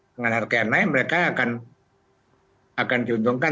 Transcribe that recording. dengan harga yang naik mereka akan diuntungkan